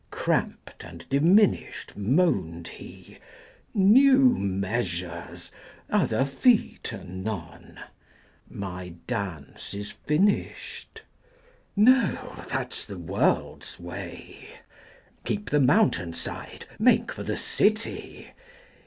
Cramped and diminished, Moaned he, "New measures, other feet anon! My dance is finished"? 40 No, that's the world's way: (keep the mountain side, Make for the city!)